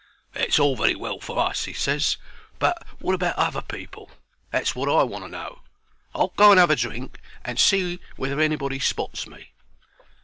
"That's all very well for us," he ses; "but wot about other people? That's wot I want to know. I'll go and 'ave a drink, and see whether anybody spots me."